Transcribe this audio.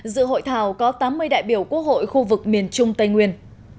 dự hội thảo có tám mươi đại biểu quốc hội khu vực miền trung tây nguyên